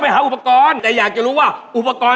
มันสะอาดที่ไหนก็